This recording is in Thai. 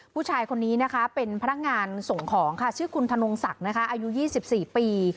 ผู้ชายคนนี้นะคะเป็นพนักงานส่งของค่ะชื่อคุณธนงศักดิ์นะคะอายุ๒๔ปี